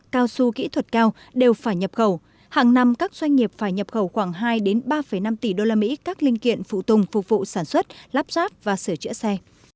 cao su kỹ thuật cao đều phải nhập khẩu hàng năm các doanh nghiệp phải nhập khẩu khoảng hai ba năm tỷ usd các linh kiện phụ tùng phục vụ sản xuất lắp ráp và sửa chữa xe